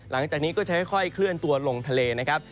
หลังจากนี้ก็จะค่อยเคลื่อนตัวลงทะเลนะครับ